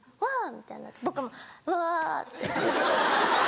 みたいになって僕も「うわ」って。